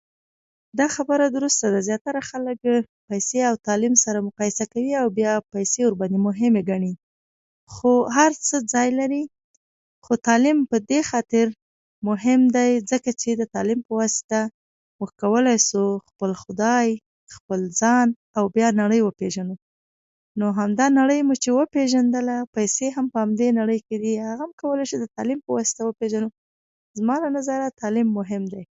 افغانستان د آسيا د لويي وچې په منځ کې د يوه ځانګړي موقعیت په لرلو سره له ډير پخوا څخه د ټرانزیټي او مهم سوداګریز مرکز په نوم پیژندل شوی دی